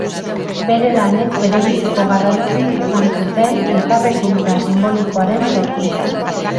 Bere lanek berebiziko garrantzi izan zuten Elkarrekintza sinbolikoaren sorkuntzan.